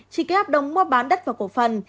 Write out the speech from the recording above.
chỉ ký hợp đồng mua bán đất vào cổ phần